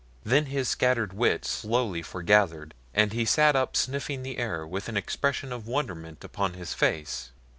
Then his scattered wits slowly foregathered, and he sat up sniffing the air with an expression of wonderment upon his face.